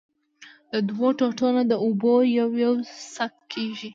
د دؤو ټوټو نه د اوبو يو يو څک کېږي